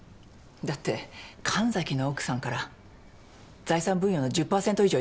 だって神崎の奥さんから財産分与の１０％以上頂いちゃったから。